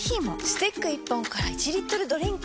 スティック１本から１リットルドリンクに！